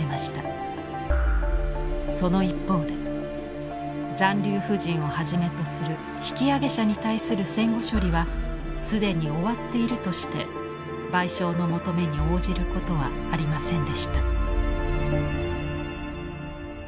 その一方で残留婦人をはじめとする引き揚げ者に対する戦後処理は既に終わっているとして賠償の求めに応じることはありませんでした。